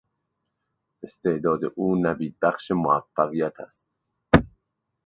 استعداد او نویدبخش موفقیت است.